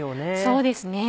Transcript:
そうですね。